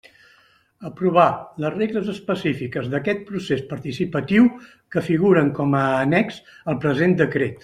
Aprovar les regles específiques d'aquest procés participatiu que figuren com a Annex al present Decret.